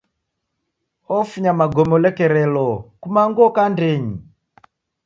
Ofunya magome ulekerelo kumangu oka andenyi.